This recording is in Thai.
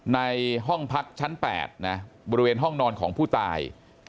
ในห้องพักชั้น๘นะบริเวณห้องนอนของผู้ตาย